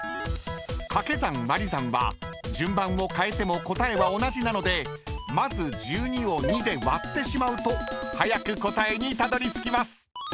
［掛け算割り算は順番を変えても答えは同じなのでまず１２を２で割ってしまうと早く答えにたどりつきます］